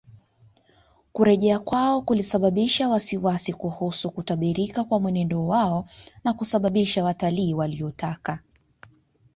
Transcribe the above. Kurejea kwao kulisababisha wasiwasi kuhusu kutabirika kwa mwenendo wao na kusababisha watalii waliotaka